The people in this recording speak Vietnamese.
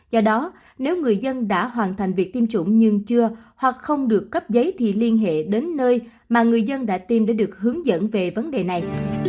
do đó nếu người dân đã hoàn thành việc tiêm chủng nhưng chưa hoặc không được cấp giấy thì liên hệ đến nơi mà người dân đã tìm để được hướng dẫn về vấn đề này